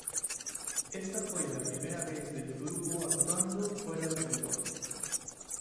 Esta fue la primera vez del grupo actuando fuera de Taiwán.